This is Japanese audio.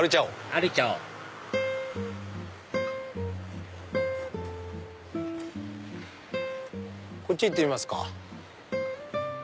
歩いちゃおうこっち行ってみますか。